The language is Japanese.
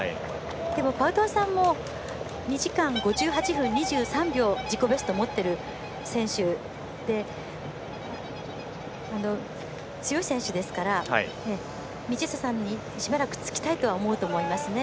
パウトワさんも２時間５８分２３秒自己ベストを持っている選手で強い選手ですから道下さんに、しばらくつきたいとは思うと思いますね。